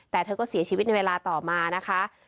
แต่เธอก็เสียชีวิตในเวลาต่อมานะคะ